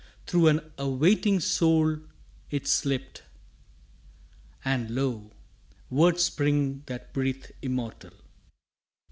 Thro' an awaiting soul 'tis slipt And lo, words spring that breathe immortal.